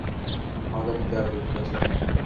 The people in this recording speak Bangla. আমাদের নিতে আসবে, ঠিক আছে?